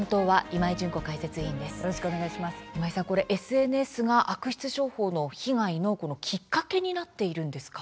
今井さん、ＳＮＳが悪質商法の被害のきっかけになっているんですか？